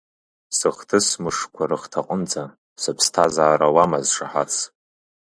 Сыхҭыс мышқәа рыхҭаҟынӡа, сыԥсҭазаара уамаз шаҳаҭс.